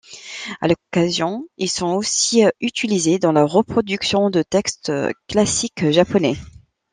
À l'occasion, ils sont aussi utilisés dans la reproduction de textes classiques japonais.